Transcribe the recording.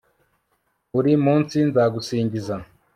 buri munsi nzagusingiza